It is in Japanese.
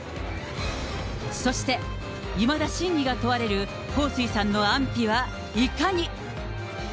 そして、いまだ真偽が問われる彭帥さんの安否はいかに。